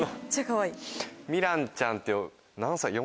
みらんちゃんって何歳？